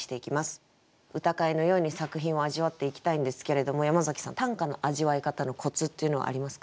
歌会のように作品を味わっていきたいんですけれども山崎さん短歌の味わい方のコツっていうのはありますか？